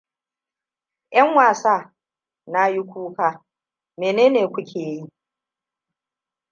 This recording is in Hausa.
'Yan wasa! Na yi kuka, me ne kuke yi?